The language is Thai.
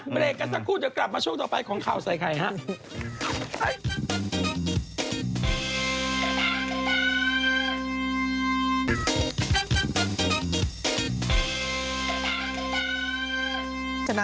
เบรกกันสักครู่เดี๋ยวกลับมาช่วงต่อไปของข่าวใส่ไข่ฮะ